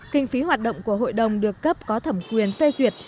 kinh phí hoạt động của hội đồng được cấp có thẩm quyền phê duyệt